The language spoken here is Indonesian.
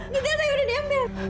giga saya udah diambil